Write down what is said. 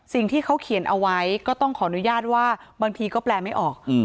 สิ่งที่เขาเขียนเอาไว้ก็ต้องขออนุญาตว่าบางทีก็แปลไม่ออก